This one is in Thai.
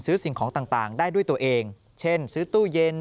สิ่งของต่างได้ด้วยตัวเองเช่นซื้อตู้เย็น